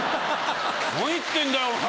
何言ってんだよお前！